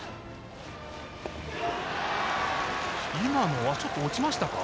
今のはちょっと落ちましたか。